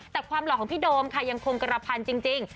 แต่ความหล่อของพี่โดมค่ะยังคงกระพันจริง